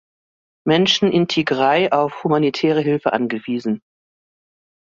Menschen in Tigray auf humanitäre Hilfe angewiesen.